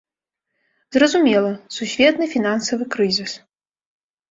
Зразумела, сусветны фінансавы крызіс.